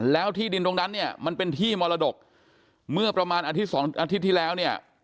แล้วที่ดินตรงนั้นเนี่ยมันเป็นที่มรดกเมื่อประมาณอาทิตย์สองอาทิตย์ที่แล้วเนี่ย